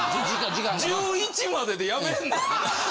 １１まででやめんの？